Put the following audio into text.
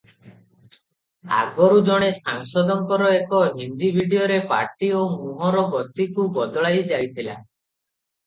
ଆଗରୁ ଜଣେ ସାଂସଦଙ୍କର ଏକ ହିନ୍ଦୀ ଭିଡ଼ିଓରେ ପାଟି ଓ ମୁହଁର ଗତିକୁ ବଦଳାଯାଇଥିଲା ।